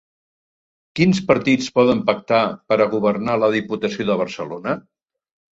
Quins partits poden pactar per a governar la Diputació de Barcelona?